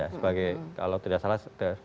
sebagai kalau tidak salah